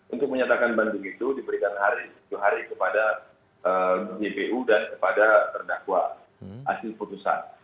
untuk menyatakan banding itu diberikan tujuh hari kepada jpu dan kepada perdakwa hasil keputusan